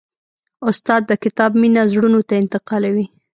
استاد د کتاب مینه زړونو ته انتقالوي.